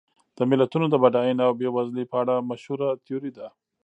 د ملتونو د بډاینې او بېوزلۍ په اړه مشهوره تیوري ده.